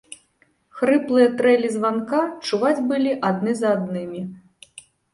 Хрыплыя трэлі званка чуваць былі адны за аднымі.